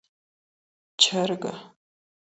چرګه 🐓